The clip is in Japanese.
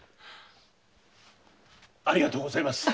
ありがとうございます。